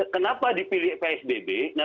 kenapa dipilih psbb